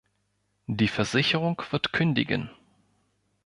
Die Versicherung wird kündigen.